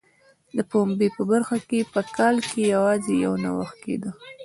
د پنبې په برخه کې په کال کې یوازې یو نوښت کېده.